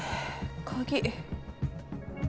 鍵。